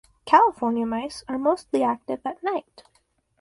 California mice are mostly active at night.